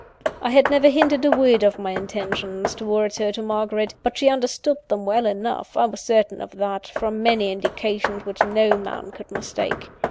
"I had never hinted a word of my intentions towards her to Margaret; but she understood them well enough I was certain of that, from many indications which no man could mistake.